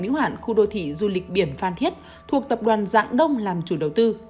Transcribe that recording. hữu hạn khu đô thị du lịch biển phan thiết thuộc tập đoàn dạng đông làm chủ đầu tư